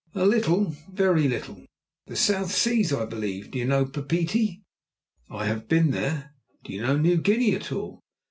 "A little very little." "The South Seas, I believe. D'you know Papeete?" "I have been there." "D'you know New Guinea at all?"